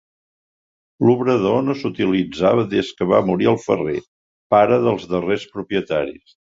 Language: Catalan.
L'obrador no s'utilitzava des que va morir el ferrer, pare dels darrers propietaris.